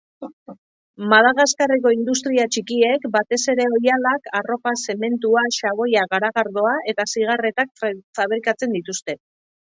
Madagaskarreko industria txikiek batez ere oihalak, arropa, zementua, xaboia, garagardoa eta zigarretak fabrikatzen dituzte.